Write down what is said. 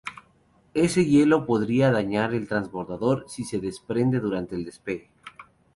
Ese hielo podría dañar el transbordador si se desprende durante el despegue.